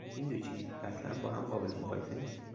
این دو چیز اصلا با هم قابل مقایسه نیست.